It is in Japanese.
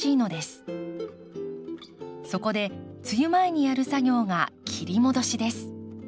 そこで梅雨前にやる作業が切り戻しです。